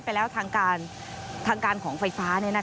ไปแล้วทางกานทางการของไฟฟ้า